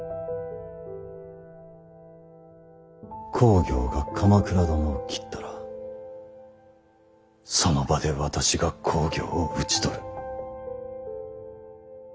公暁が鎌倉殿を斬ったらその場で私が公暁を討ち取る。